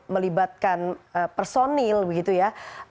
melibatkan personil begitu ya